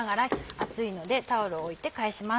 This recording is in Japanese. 熱いのでタオルを置いて返します。